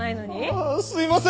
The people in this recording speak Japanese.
ああすいません！